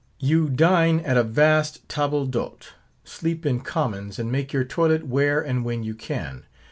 You dine at a vast table d'hote; sleep in commons, and make your toilet where and when you can.